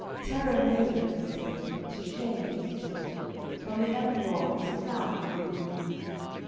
Terra Major, he said, to shame he'ld put, From the Emperour his crown he would remove.